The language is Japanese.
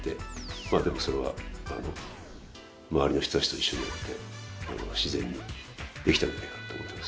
まあでもそれは周りの人たちと一緒にやって自然にできたんじゃないかなと思ってます。